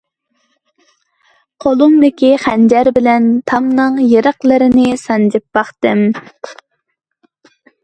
قولۇمدىكى خەنجەر بىلەن تامنىڭ يېرىقلىرىنى سانجىپ باقتىم.